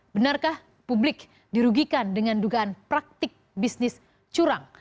benarkah publik dirugikan dengan dugaan praktik bisnis curang